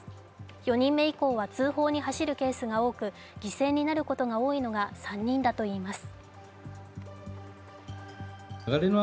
４人目以降は通報に走るケースが多く犠牲になることが多いのが３人だといいます。